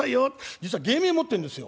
「実は芸名持ってるんですよ」。